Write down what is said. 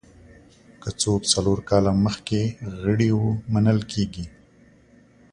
که څوک څلور کاله مخکې غړي وو منل کېږي.